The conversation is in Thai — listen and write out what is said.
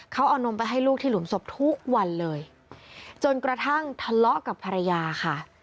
เขาเอานมไปให้ลูกที่หลุมศพทุกวันเลยจนกระทั่งทะเลาะกับภรรยาค่ะ